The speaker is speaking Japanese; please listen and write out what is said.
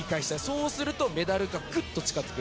そうするとメダルがぐっと近づく。